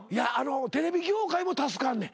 テレビ業界も助かんねん。